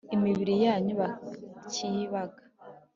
imibiri yanyu bakiyibaga